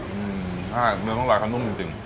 ใช่เนื้องลายเขานุ่มจริง